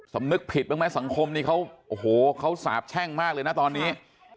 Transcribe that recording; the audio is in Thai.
สำนึกผิดบ้างไหมสังคมนี้เขาโอ้โหเขาสาบแช่งมากเลยนะตอนนี้